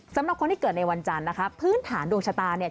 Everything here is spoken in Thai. สำหรับคนที่เกิดในวันจันทร์นะคะพื้นฐานดวงชะตาเนี่ย